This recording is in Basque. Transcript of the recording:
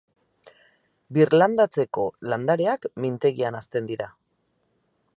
Birlandatzeko landareak mintegian hazten dira.